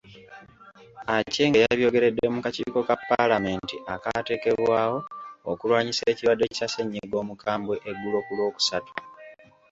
Aceng yabyogeredde mu kakiiko ka Paalamenti akaateekebwawo okulwanyisa ekirwadde kya ssenyiga omukambwe eggulo ku Lwokusatu.